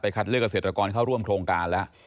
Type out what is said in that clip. คัดเลือกเกษตรกรเข้าร่วมโครงการแล้ว